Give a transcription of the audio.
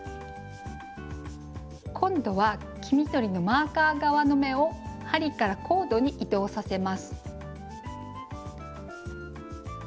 今度は黄緑のマーカー側の目を針からコードに移動させます。